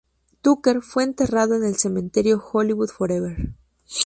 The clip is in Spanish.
Tucker fue enterrado en el Cementerio Hollywood Forever.